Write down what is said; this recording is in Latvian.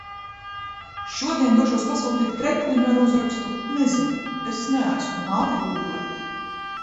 Šodien došos pasūtīt krekliņu ar uzrakstu: Nezinu. Es neesmu māte Gūgle.